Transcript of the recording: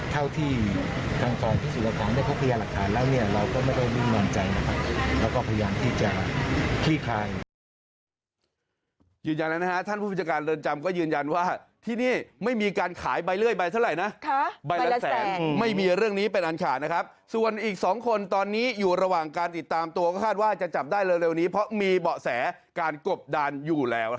เท่าที่ทางฟังที่สูตรการได้พบพยาหลักฐานแล้วเนี่ยเราก็ไม่ได้วิ่งมั่นใจนะครับแล้วก็พยายามที่จะคลีกคลาย